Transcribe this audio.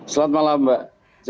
selamat malam mbak